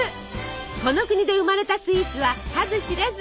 この国で生まれたスイーツは数知れず。